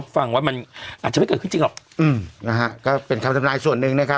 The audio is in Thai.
ฟังว่ามันอาจจะไม่เกิดขึ้นจริงหรอก